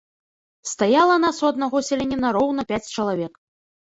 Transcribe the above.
Стаяла нас у аднаго селяніна роўна пяць чалавек.